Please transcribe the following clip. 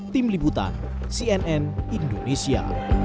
tim liputan cnn indonesia